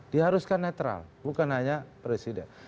diharuskan netral bukan hanya presiden